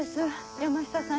山下さん